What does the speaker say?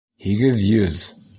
Һигеҙ йөҙ!